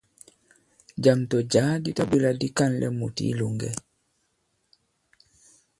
Jàm tɔ̀ jǎ di tabwě là di ka᷇nlɛ mùt i ilòŋgɛ.